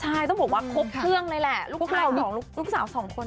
ใช่ต้องบอกว่าครบเครื่องเลยแหละลูกสาวของลูกสาวสองคน